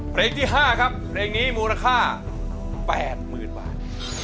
เพลงที่๕ครับเพลงนี้มูลค่า๘๐๐๐บาท